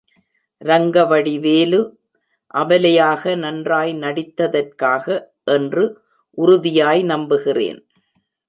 ரங்கவடி வேலு அபலையாக நன்றாய் நடித்ததற்காக என்று உறுதியாய் நம்புகிறேன்.